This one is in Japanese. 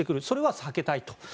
それは避けたいと。